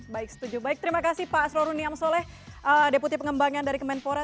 baik setuju baik terima kasih pak asroruniam soleh deputi pengembangan dari kemenpora